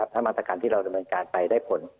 ถ้ามาตรการที่เราดำเนินการไปได้ผล